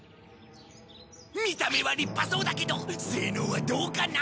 見た目は立派そうだけど性能はどうかな？